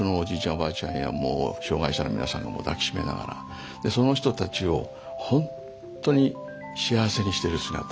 おばあちゃんや障がい者の皆さんが抱きしめながらその人たちをほんとに幸せにしてる姿。